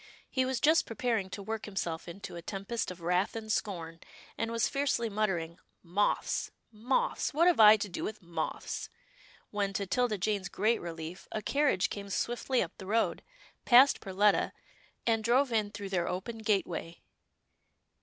He was just preparing to work himself into a tempest of wrath and scorn, and COUSIN OONAH RILEY 269 was fiercely muttering, " Moths — moths — what have I to do with moths ?" when to 'Tilda Jane's great relief a carriage came swiftly up the road, passed Perletta, and drove in through their open gateway.